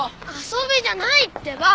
遊びじゃないってば！